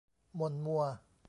หม่นมัว